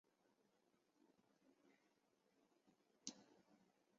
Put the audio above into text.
赖恩镇区为美国堪萨斯州索姆奈县辖下的镇区。